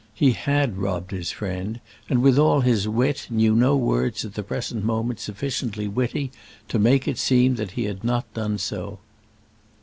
He had robbed his friend, and, with all his wit, knew no words at the present moment sufficiently witty to make it seem that he had not done so.